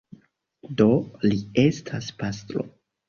Do li estas pastro.